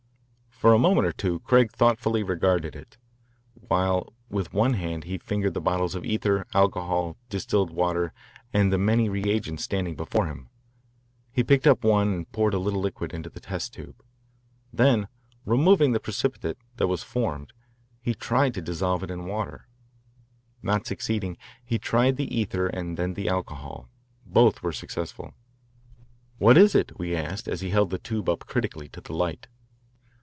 For a moment or two Craig thoughtfully regarded it, while with one hand he fingered the bottles of ether, alcohol, distilled water, and the many reagents standing before him. He picked up one and poured a little liquid into the test tube. Then, removing the precipitate that was formed, he tried to dissolve it in water. Not succeeding, he tried the ether and then the alcohol. Both were successful. "What is it?" we asked as he held the tube up critically to the light.